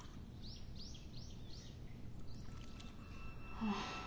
・ああ。